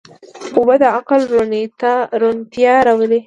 اوبه د عقل روڼتیا راولي.